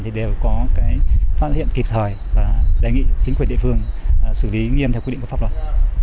thì đều có phát hiện kịp thời và đề nghị chính quyền địa phương xử lý nghiêm theo quy định của pháp luật